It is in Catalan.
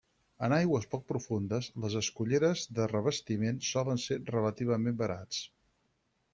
En aigües poc profundes, les esculleres de revestiment solen ser relativament barats.